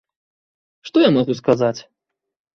Што я магу сказаць?